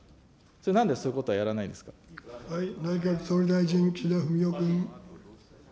それ、なんでそういうことはやら内閣総理大臣、岸田文雄君。